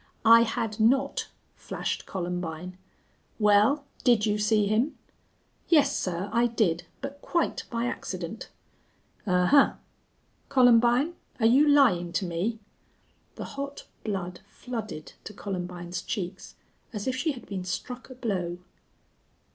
"I had not," flashed Columbine. "Wal, did you see him?" "Yes, sir, I did, but quite by accident." "Ahuh! Columbine, are you lyin' to me?" The hot blood flooded to Columbine's cheeks, as if she had been struck a blow.